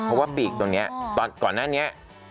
เพราะว่าปีกตรงนี้ก่อนหน้านี้